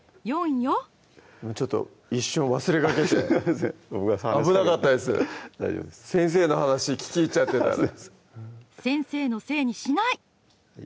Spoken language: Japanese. ４よちょっと一瞬忘れかけて危なかったです先生の話聞き入っちゃってたんで先生のせいにしない！